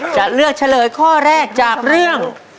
จะเลือกเฉลยข้อแรกจากเรื่อง